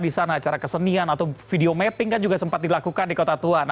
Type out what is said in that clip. misalnya acara kesenian atau video mapping kan juga sempat dilakukan di kota tuan